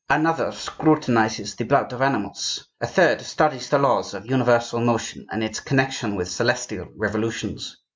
Another scrutinizes the blood of animals. A third studies the laws of universal motion and its connection with celestial revolutions.